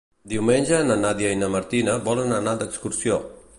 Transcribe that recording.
Diumenge na Nàdia i na Martina volen anar d'excursió.